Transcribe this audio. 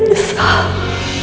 dengan sangat tulus